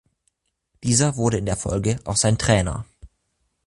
Dieser wurde in der Folge auch sein Trainer.